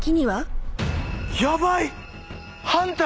ヤバい。